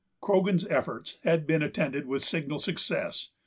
Croghan's efforts had been attended with signal success.